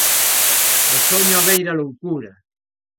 O soño abeira a loucura.